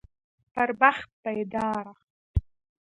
پر بخت بيداره